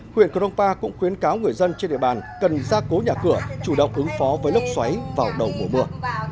huyện cronpa cũng khuyến cáo người dân trên địa bàn cần ra cố nhà cửa chủ động ứng phó với lốc xoáy vào đầu mùa mưa